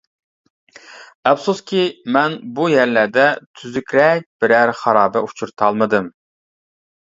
ئەپسۇسكى، مەن بۇ يەرلەردە تۈزۈكرەك بىرەر خارابە ئۇچرىتالمىدىم.